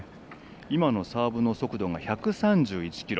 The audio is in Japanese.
今のサーブの速度が１３１キロ。